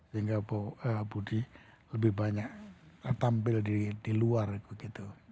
sehingga budi lebih banyak tampil di luar begitu